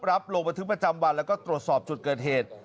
ลงบันทึกประจำวันแล้วก็ตรวจสอบจุดเกิดเหตุ